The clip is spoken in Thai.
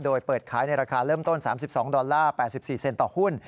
โดยเปิดขายในราคาเริ่มต้น๓๒ดอลลาร์๘๔เซนต่อหุ้น